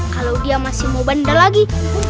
kalau dia masih mau benda lagi